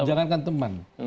jangan kan teman